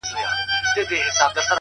• کرۍ ورځ یې په ځغستا او په مزلونو ,